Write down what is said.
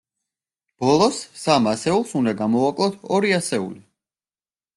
ბოლოს, სამ ასეულს უნდა გამოვაკლოთ ორი ასეული.